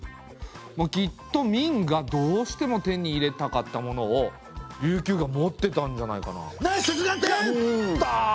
きっと明がどうしても手に入れたかったものを琉球が持ってたんじゃないかな？